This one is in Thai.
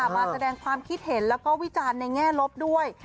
มาแสดงความคิดเห็นแล้วก็วิจารณ์ในแง่ลบด้วย